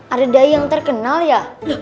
ada daya yang terkenal ya